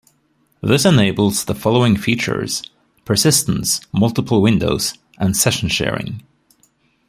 This enables the following features: persistence, multiple windows, and session sharing.